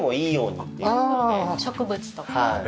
植物とか。